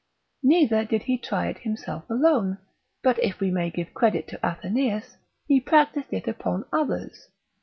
Neither did he try it himself alone, but if we may give credit to Atheneus, he practised it upon others.